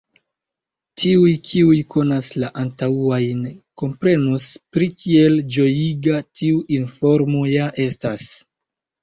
Tiuj kiuj konas la antaŭajn, komprenos pri kiel ĝojiga tiu informo ja estas.